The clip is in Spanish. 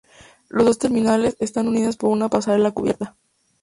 Las dos terminales están unidas por una pasarela cubierta.